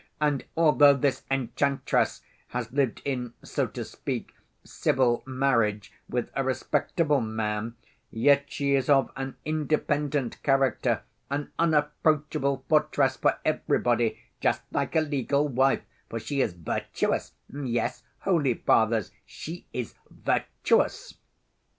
And although this enchantress has lived in, so to speak, civil marriage with a respectable man, yet she is of an independent character, an unapproachable fortress for everybody, just like a legal wife—for she is virtuous, yes, holy Fathers, she is virtuous.